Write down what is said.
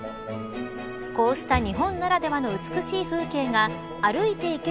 こうした日本ならではの美しい風景が歩いて行ける